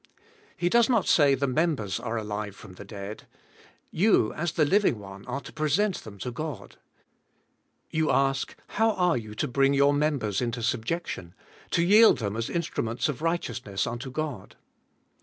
He does not say the members are alive from the dead. You as the living one are to present them to God. You ask how you are to bring your members into subjection, to yield them as instruments of righteousness unto God.